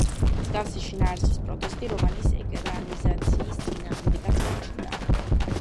მსგავსი შინაარსის პროტესტი რომანის ეკრანიზაციის წინააღმდეგაც გაჩნდა.